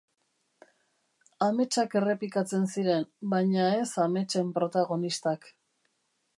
Ametsak errepikatzen ziren, baina ez ametsen protagonistak.